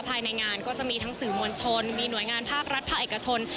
ภายในงานก็จะมีทั้งสื่อมวลชนมีหน่วยงานภาครัฐภาคเอกชน